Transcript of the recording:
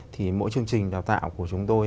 thì mỗi chương trình đào tạo của chúng tôi